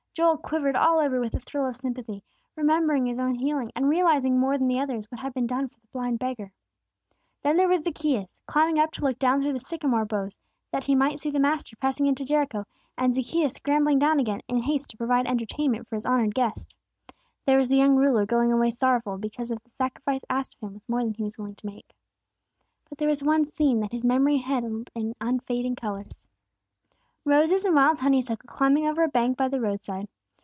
Joel quivered all over with a thrill of sympathy, remembering his own healing, and realizing more than the others what had been done for the blind beggar. Then there was Zaccheus, climbing up to look down through the sycamore boughs that he might see the Master passing into Jericho, and Zaccheus scrambling down again in haste to provide entertainment for his honored guest. There was the young ruler going away sorrowful because the sacrifice asked of him was more than he was willing to make. But there was one scene that his memory held in unfading colors: Roses and wild honeysuckle climbing over a bank by the road side.